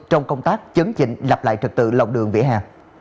trong công tác chấn chỉnh lập lại trật tự lòng đường vỉa hè